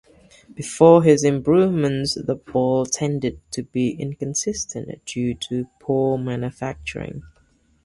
Before his improvements the ball tended to be inconsistent due to poor manufacturing.